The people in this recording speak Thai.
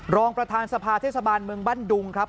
รองประธานสภาเทศบาลเมืองบ้านดุงครับ